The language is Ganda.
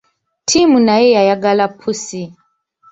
Tim naye yayagala pussi.